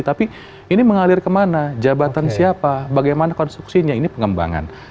tapi ini mengalir kemana jabatan siapa bagaimana konstruksinya ini pengembangan